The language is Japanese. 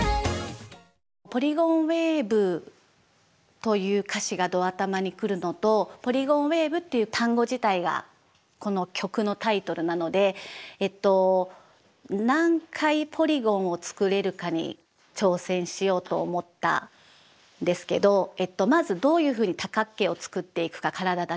という歌詞がド頭に来るのと「ポリゴンウェイヴ」っていう単語自体がこの曲のタイトルなので何回ポリゴンを作れるかに挑戦しようと思ったんですけどまずどういうふうに多角形を作っていくか体だけで。